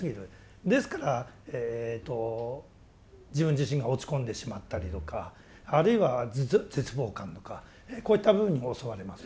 ですから自分自身が落ち込んでしまったりとかあるいは絶望感とかこういった部分に襲われます。